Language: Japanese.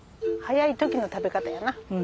早い時の食べ方やな。